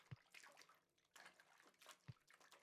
Avvalroq esiga tushmaganini qarang-a